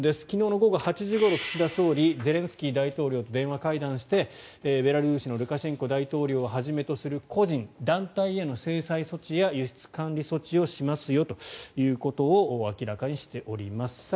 昨日午後８時ごろ岸田総理はゼレンスキー大統領と電話会談してベラルーシのルカシェンコ大統領をはじめとする個人団体への制裁措置や輸出管理措置をしますよということを明らかにしております。